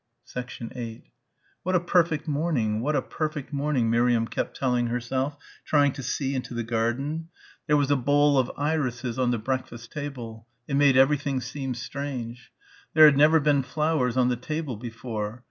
8 "What a perfect morning ... what a perfect morning," Miriam kept telling herself, trying to see into the garden. There was a bowl of irises on the breakfast table it made everything seem strange. There had never been flowers on the table before.